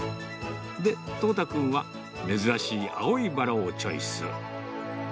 で、統太君は珍しい青いバラをチョイス。